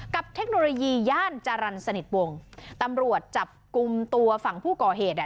เทคโนโลยีย่านจรรย์สนิทวงตำรวจจับกลุ่มตัวฝั่งผู้ก่อเหตุอ่ะ